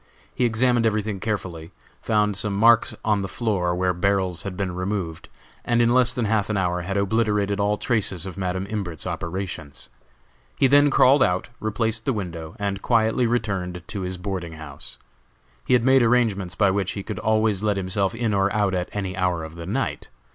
He examined everything carefully, found some marks on the floor where barrels had been removed, and in less than half an hour had obliterated all traces of Madam Imbert's operations. He then crawled out, replaced the window, and quietly returned to his boarding house. He had made arrangements by which he could always let himself in or out at any hour of the night.